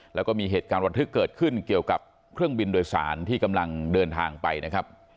แล้วก็มีเหตุการณ์ระทึกเกิดขึ้นเกี่ยวกับเครื่องบินโดยสารที่กำลังเดินทางไปนะครับ